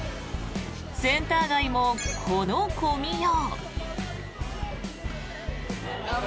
センター街もこの混みよう。